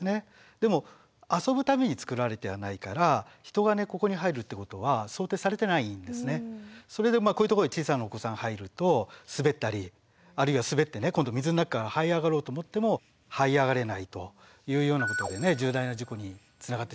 でも遊ぶためにつくられてはないからそれでこういうところに小さなお子さん入ると滑ったりあるいは滑って今度水の中からはい上がろうと思ってもはい上がれないというようなことで重大な事故につながってしまうんですね